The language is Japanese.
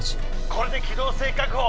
「これで機動性確保！」